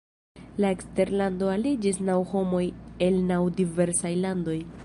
El eksterlando aliĝis naŭ homoj el naŭ diversaj landoj.